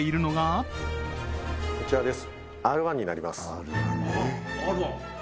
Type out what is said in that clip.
こちらです